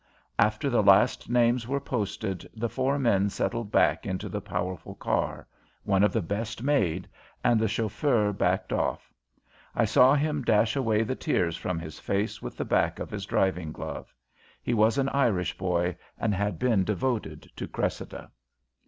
After the last names were posted, the four men settled back into the powerful car one of the best made and the chauffeur backed off. I saw him dash away the tears from his face with the back of his driving glove. He was an Irish boy, and had been devoted to Cressida.